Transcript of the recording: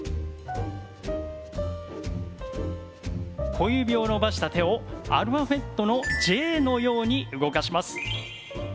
小指を伸ばした手をアルファベットのＪのように動かします。